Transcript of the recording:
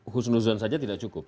husnuzan saja tidak cukup